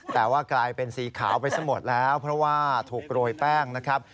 แต่ว่ากลายเป็นสีขาวไปซะหมดแล้วเพราะว่าถูกโรยแป้งนะครับ